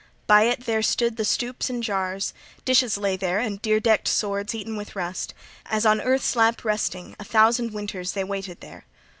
By it there stood the stoups and jars; dishes lay there, and dear decked swords eaten with rust, as, on earth's lap resting, a thousand winters they waited there.